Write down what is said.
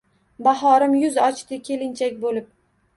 Bahorim yuz ochdi kelinchak bo’lib!